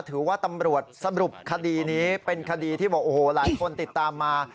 ถือว่าตำรวจสรุปคดีนี้เป็นคดีที่บอกโอ้โหหลายคนติดตามมา